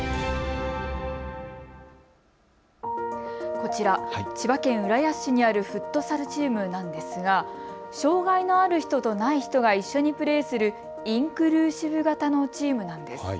こちら千葉県浦安市にあるフットサルチームなんですが障害のある人とない人が一緒にプレーするインクルーシブ型のチームなんです。